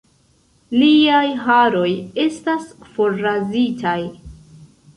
Liaj haroj estas forrazitaj.